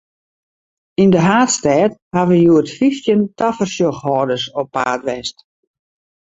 Yn de haadstêd hawwe hjoed fyftjin tafersjochhâlders op paad west.